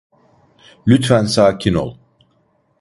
Lütfen sakin ol.